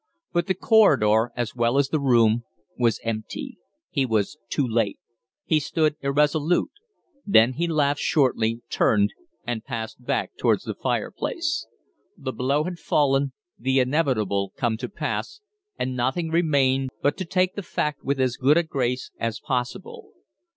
But the corridor, as well as the room, was empty; he was too late. He stood irresolute; then he laughed shortly, turned, and passed back towards the fireplace. The blow had fallen, the inevitable come to pass, and nothing remained but to take the fact with as good a grace as possible.